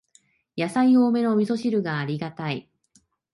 やさい多めのみそ汁がありがたい